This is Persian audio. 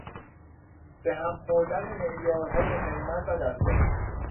به هم خوردن معیارهای قیمت و دستمزد